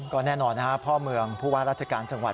ก็แน่นอนพ่อเมืองผู้ว่าราชการจังหวัด